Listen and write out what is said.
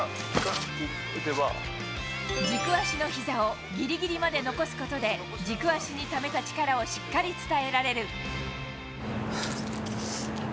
軸足のひざをぎりぎりまで残すことで、軸足にためた力をしっかり伝えられる。